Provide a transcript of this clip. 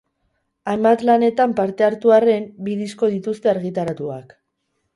Hainbat lanetan parte hartu arren, bi disko dituzte argitaratuak.